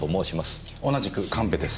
同じく神戸です。